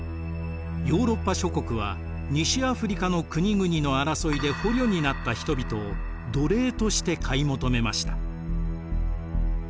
ヨーロッパ諸国は西アフリカの国々の争いで捕虜になった人々を奴隷として買い求めました。